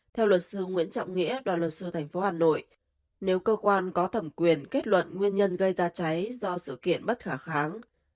theo luật sư nguyễn trọng nghĩa đoàn luật sư tp hà nội nếu cơ quan có thẩm quyền kết luận nguyên nhân gây ra cháy do sự kiện bất khả kháng